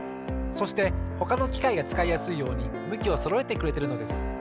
そしてほかのきかいがつかいやすいようにむきをそろえてくれてるのです。